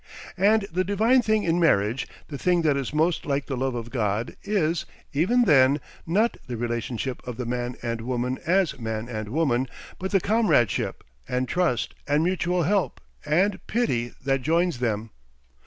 And the divine thing in marriage, the thing that is most like the love of God, is, even then, not the relationship of the man and woman as man and woman but the comradeship and trust and mutual help and pity that joins them.